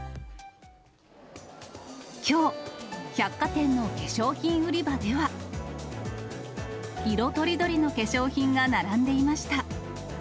きょう、百貨店の化粧品売り場では、色とりどりの化粧品が並んでいました。